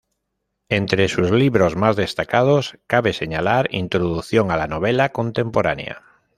Entre sus libros más destacados cabe señalar "Introducción a la novela contemporánea".